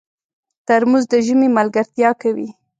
ترموز د ژمي ملګرتیا کوي.